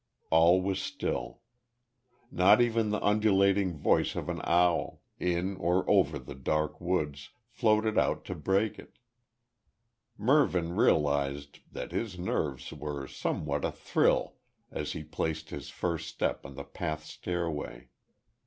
All was still. Not even the ululating voice of an owl, in or over the dark woods, floated out to break it. Mervyn realised that his nerves were somewhat athrill as he placed his first step on the path stairway.